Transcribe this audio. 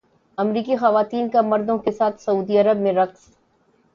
امریکی خواتین کا مردوں کے ساتھ سعودی عرب میں رقص